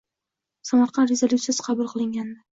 Samarqand rezolyutsiyasi qabul qilingandi